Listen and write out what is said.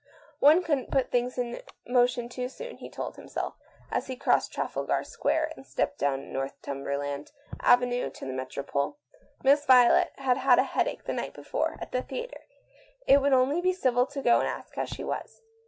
One couldn't put things in motion too soon. He crossed Trafalgar Square, and stepped down Northumberland Avenue to the Metropole. Miss Violet had had a head ache the night before at the theatre. It would only be civil to go and ask how she was.